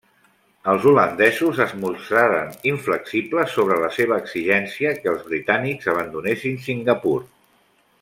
Els holandesos es mostraren inflexibles sobre la seva exigència que els britànics abandonessin Singapur.